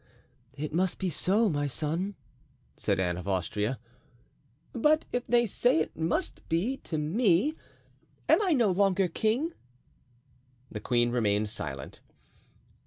"It must be so, my son," said Anne of Austria. "But if they say, 'it must be' to me, am I no longer king?" The queen remained silent.